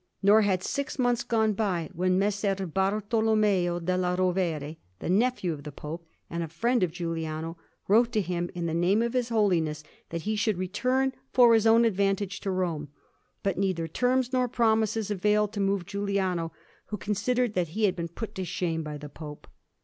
Nor had six months gone by, when Messer Bartolommeo della Rovere, the nephew of the Pope, and a friend of Giuliano, wrote to him in the name of his Holiness that he should return for his own advantage to Rome; but neither terms nor promises availed to move Giuliano, who considered that he had been put to shame by the Pope.